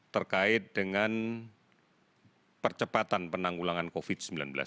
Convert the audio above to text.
terkait dengan percepatan penanggulangan covid sembilan belas